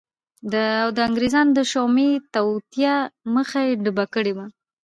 او د انګریزانو د شومی توطیه مخه یی ډبه کړی وه